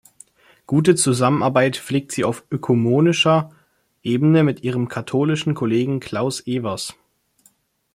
Gute Zusammenarbeit pflegt sie auf ökumenischer Ebene mit ihrem katholischen Kollegen Klaus Evers.